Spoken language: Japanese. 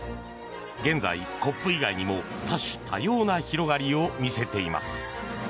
現在、コップ以外にも多種多様な広がりを見せています。